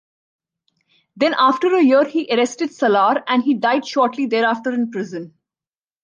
Then after a year he arrested Salar and he died shortly thereafter in prison.